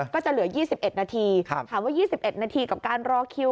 ก็จะเหลือ๒๑นาทีถามว่า๒๑นาทีกับการรอคิว